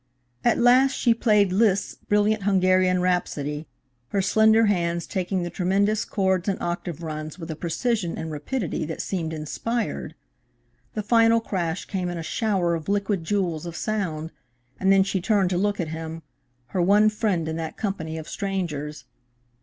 At last she played Liszt's brilliant Hungarian Rhapsody, her slender hands taking the tremendous chords and octave runs with a precision and rapidity that seemed inspired. The final crash came in a shower of liquid jewels of sound, and then she turned to look at him, her one friend in that company of strangers.